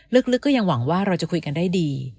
ลึกก็ยังหวังว่าเราจะคุยกันได้ดี